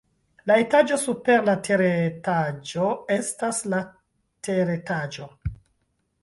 La etaĝo super la teretaĝo estas la teretaĝo.